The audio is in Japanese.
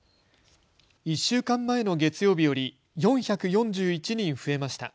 １週間前の月曜日より４４１人増えました。